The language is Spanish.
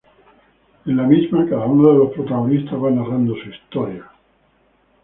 En la misma, cada uno de los protagonistas va narrando su historia.